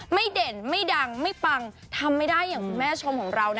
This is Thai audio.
ไม่เด่นไม่ดังไม่ปังทำไม่ได้อย่างแม่ชมของเรานะคะ